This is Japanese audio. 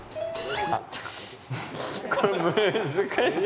難しい。